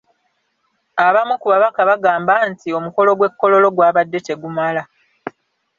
Abamu ku babaka bagamba nti omukolo gw’e Kololo gwabadde tegumala.